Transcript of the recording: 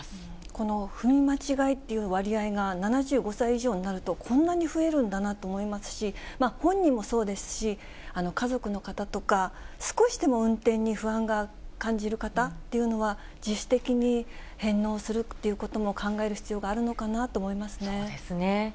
この踏み間違いっていう割合が７５歳以上になるとこんなに増えるんだなと思いますし、本人もそうですし、家族の方とか、少しでも運転に、不安が感じる方っていうのは、自主的に返納するっていうことも考える必要があるのかなと思いまそうですね。